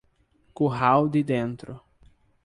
Curral de Dentro